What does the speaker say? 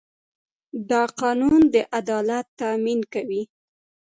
دا قانون د عدالت تامین کوي.